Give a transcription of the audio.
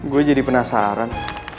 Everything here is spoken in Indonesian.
gua jadi penasaran